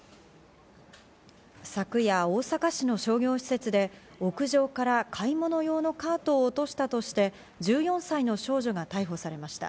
昨夜、大阪市の商業施設で屋上から買い物用のカートを落としたとして、１４歳の少女が逮捕されました。